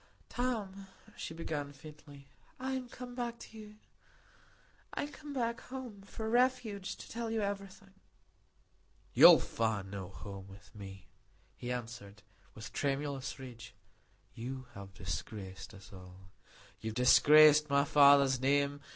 "Tom," she began faintly, "I am come back to you,—I am come back home—for refuge—to tell you everything." "You will find no home with me," he answered, with tremulous rage. "You have disgraced us all. You have disgraced my father's name.